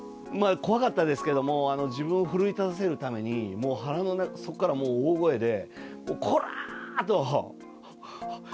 怖かったんですけども、自分を奮い立たせるために、もう腹の底からもう大声で、こらー！